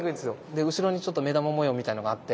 で後ろにちょっと目玉模様みたいのがあって。